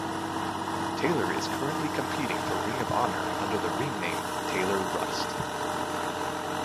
Taylor is currently competing for Ring of Honor under the ring name Taylor Rust.